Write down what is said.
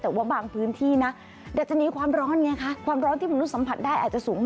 แต่ว่าบางพื้นที่นะได้